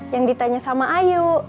yang ditanya sama ayu